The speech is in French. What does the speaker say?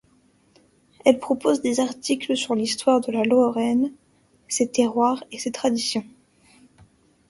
Elle propose des articles sur l'histoire de la Lorraine, ses terroirs et ses traditions.